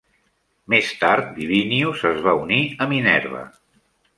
Més tard, Vivinus es va unir a Minerva.